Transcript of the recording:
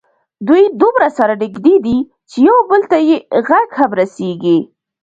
دوی دومره سره نږدې دي چې یو بل ته یې غږ هم رسېږي.